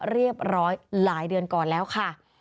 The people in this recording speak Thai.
เรียบร้อยหลายเดือนก่อนแล้วค่ะ